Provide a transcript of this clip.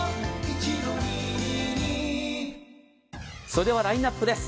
それではラインアップです。